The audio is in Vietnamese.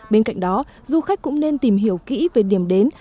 bên cạnh đó du khách cũng nên tìm hiểu kỹ về điểm đến